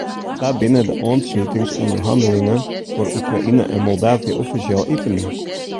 Sa binne de oanslutingsûnderhannelingen foar Oekraïne en Moldavië offisjeel iepene.